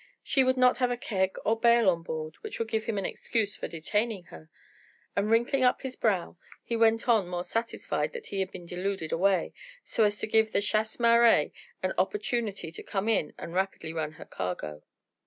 She would not have a keg or bale on board which would give him an excuse for detaining her; and wrinkling up his brow, he went on more satisfied that he had been deluded away, so as to give the chasse maree an opportunity to come in and rapidly run her cargo.